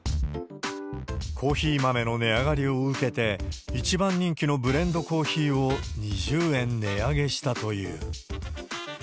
コーヒー豆の値上がりを受けて、一番人気のブレンドコーヒーを２０円値上げしたという。